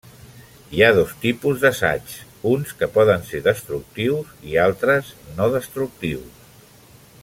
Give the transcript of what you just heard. Hi ha dos tipus d'assaigs, uns que poden ser destructius i altres no destructius.